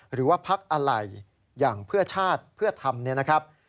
หรือว่าพักอะไรอย่างเพื่อชาติเพื่อทำเนี่ยนะครับ